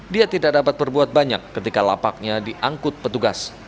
dia tidak dapat berbuat banyak ketika lapaknya diangkut petugas